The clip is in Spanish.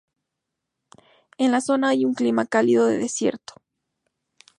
En la zona hay un clima cálido de desierto.